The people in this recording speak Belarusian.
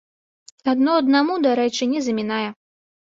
Адно аднаму, дарэчы, не замінае.